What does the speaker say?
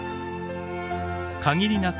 限りなく